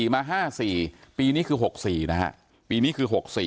มา๕๔ปีนี้คือ๖๔นะฮะปีนี้คือ๖๔